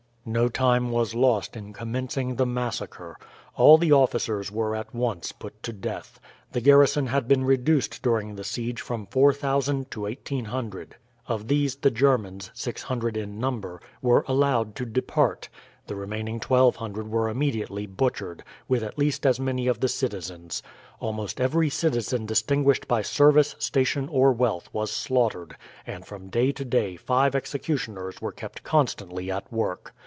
No time was lost in commencing the massacre. All the officers were at once put to death. The garrison had been reduced during the siege from 4000 to 1800. Of these the Germans 600 in number were allowed to depart. The remaining 1200 were immediately butchered, with at least as many of the citizens. Almost every citizen distinguished by service, station, or wealth was slaughtered, and from day to day five executioners were kept constantly at work.